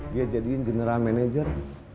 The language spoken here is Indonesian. dia jadiin general manager